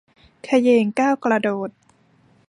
เขย่งก้าวกระโดด